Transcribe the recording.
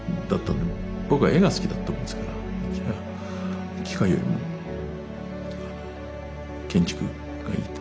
僕は絵が好きだったもんですからじゃあ機械よりもあの建築がいいと。